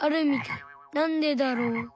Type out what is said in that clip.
なんでだろう？